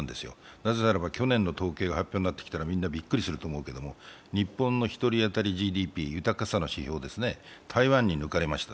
なぜならば去年の統計発表を聞いたらみんなびっくりすると思うけどにほっの１人当たりＧＤＰ、豊かさの指標ですね、台湾に抜かれました。